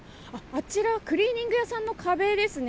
あちらクリーニング屋さんの壁ですね。